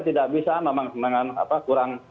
tidak bisa memang kurang